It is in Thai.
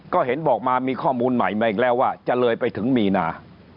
ก็เห็นบอกมามีข้อมูลใหม่มาอีกแล้วว่าจะเลยไปถึงมีนา